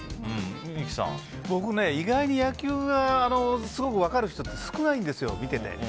意外に野球がすごく分かる人って少ないんですよ、見てて。